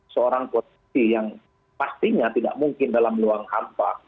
seorang polisi yang pastinya tidak mungkin dalam luang hampa